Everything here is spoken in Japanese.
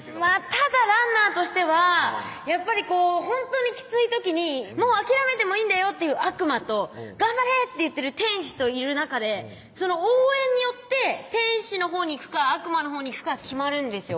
ただランナーとしてはやっぱりこうほんとにきつい時に「もう諦めてもいいんだよ」って言う悪魔と「頑張れ！」って言ってる天使といる中で応援によって天使のほうに行くか悪魔のほうに行くか決まるんですよ